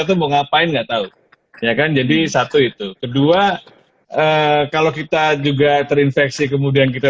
itu mau ngapain enggak tahu ya kan jadi satu itu kedua kalau kita juga terinfeksi kemudian kita